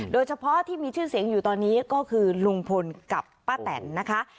โดยเฉพาะที่มีชื่อเสียงอยู่ตอนนี้ก็คือลุงพลกับป้าแตนนะคะ